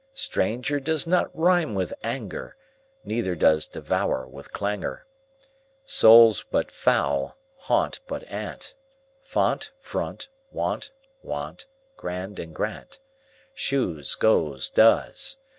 Stranger does not rime with anger, Neither does devour with clangour. Soul, but foul and gaunt, but aunt; Font, front, wont; want, grand, and, grant, Shoes, goes, does.